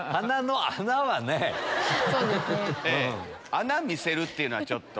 穴見せるっていうのはちょっと。